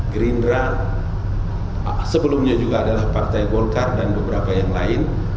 gerindra sebelumnya juga adalah partai golkar dan beberapa yang lain